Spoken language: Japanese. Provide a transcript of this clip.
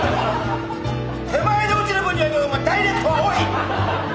手前に落ちる分にはいいけどダイレクトはおい！